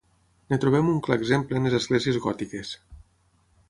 En trobem un clar exemple en les esglésies gòtiques.